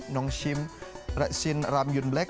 nongshim raksin ram yun black